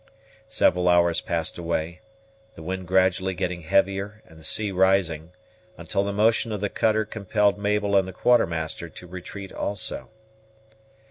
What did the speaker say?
Several hours passed away, the wind gradually getting heavier and the sea rising, until the motion of the cutter compelled Mabel and the Quartermaster to retreat also.